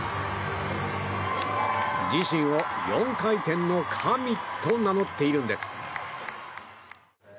自身を４回転の神と名乗っているんです。